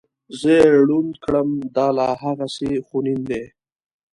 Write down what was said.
زه یې ړوند کړم دا لا هغسې خونین دی.